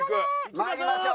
参りましょう。